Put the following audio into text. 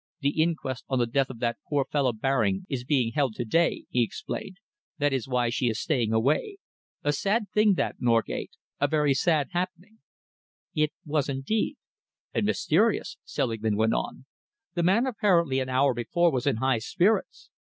"The inquest on the death of that poor fellow Baring is being held to day," he explained. "That is why she is staying away. A sad thing that, Norgate a very sad happening." "It was indeed." "And mysterious," Selingman went on. "The man apparently, an hour before, was in high spirits.